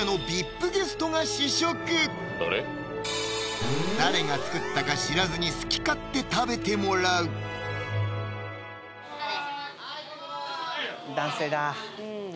ここで誰か作ったか知らずに好き勝手食べてもらう男性だ